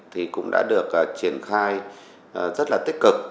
thì cũng đã được triển khai rất là tích cực